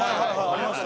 ありました。